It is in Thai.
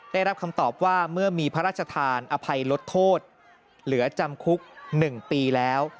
ได้รับคำตอบว่าเมื่อมีพระราชทานอภัยลดโทษเหลือจำคุก๑ปีแล้ว